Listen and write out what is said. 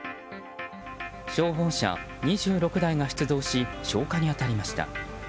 消防車２６台が出動し消火に当たりました。